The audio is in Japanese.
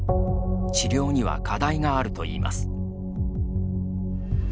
治療には課題があるといいます。